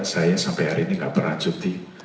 saya sampai hari ini tidak pernah cuti